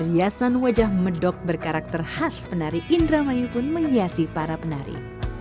riasan wajah medok berkarakter khas penari indra mayu pun menghiasi para penari